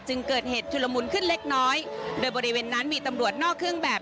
เกิดเหตุชุลมุนขึ้นเล็กน้อยโดยบริเวณนั้นมีตำรวจนอกเครื่องแบบ